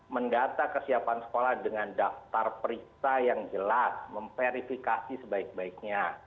mendata kesiapan sekolah dengan daftar periksa yang jelas memverifikasi sebaik baiknya